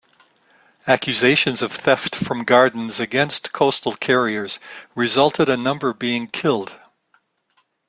Accusations of theft from gardens against coastal carriers resulted a number being killed.